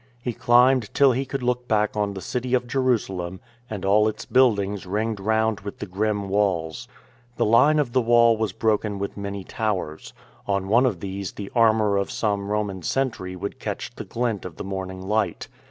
He climbed till he could look back on the City of Jerusalem, and all its buildings ringed round with the grim walls. The line of the wall was broken with many towers. On one of these the armour of some Roman sentry would catch the glint of the morning light.